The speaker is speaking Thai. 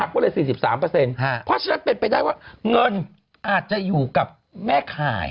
ก็เลย๔๓เพราะฉะนั้นเป็นไปได้ว่าเงินอาจจะอยู่กับแม่ข่าย